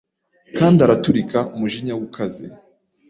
Kandi araturika umujinya we ukaze